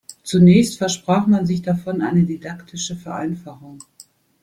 Zunächst versprach man sich davon eine didaktische Vereinfachung.